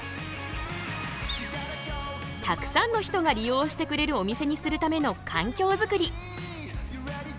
たくさんの人が利用してくれるお店にするための環境づくり。